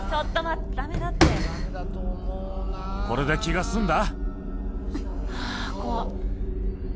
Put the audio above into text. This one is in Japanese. これで気が済んだ？